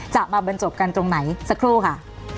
จะมาบรรจบกันตรงไหนสักครู่ค่ะ